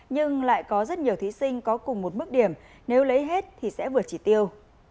nhưng lại có rất nhiều thí sinh có cùng một mức điểm nếu lấy hết thì sẽ vượt chỉ tiêu